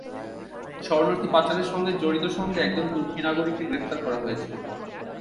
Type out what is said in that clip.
শরণার্থী পাচারের সঙ্গে জড়িত সন্দেহে একজন তুর্কি নাগরিককে গ্রেপ্তার করা হয়েছে।